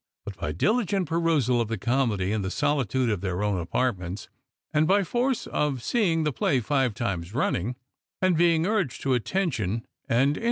But by diligent perusal of the comedy in the solitude of their own apartments, and by force of seeing the play five times running, and being urged to attention onu iutt 196 Strangers and Pilgrimt.